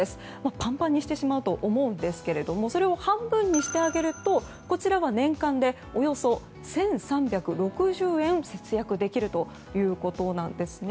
パンパンにしてしまうと思うんですけどそれを半分にしてあげるとこちらは年間でおよそ１３６０円節約できるということですね。